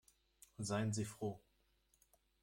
Seien Sie froh.